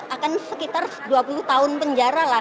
akan sekitar dua puluh tahun penjara lah